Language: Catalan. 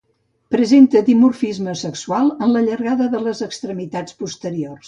Presenta dimorfisme sexual en la llargada de les extremitats posteriors.